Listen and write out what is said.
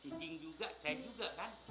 tinding juga saya juga kan